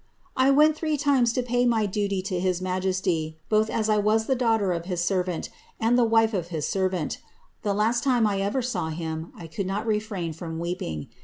^ I went three times to pay my duty to his b^ jesty, both as I was the daughter of his servant, and the wife of hit servant The last time I ever saw him, I could not refrain from weep" ing.